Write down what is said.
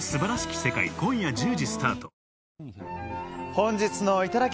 本日のいただき！